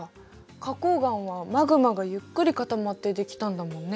花こう岩はマグマがゆっくり固まってできたんだもんね。